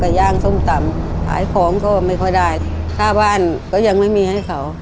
ขายก๋วย่างส้มตำขายของก็ไม่พอได้ข้าวบ้านก็ยังไม่มีให้เขา